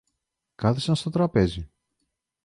Κάθισαν στο τραπέζι.